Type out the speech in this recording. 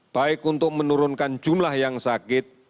baik untuk menurunkan jumlah yang sakit